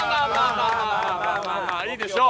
まあまあまあまあいいでしょう。